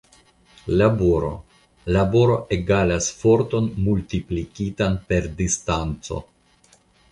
Laboro: Laboro egalas forton multiplikitan per distanco.